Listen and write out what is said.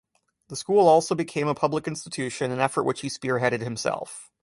The school also became a public institution, an effort which he spearheaded himself.